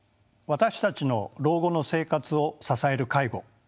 私たちの老後の生活を支える介護。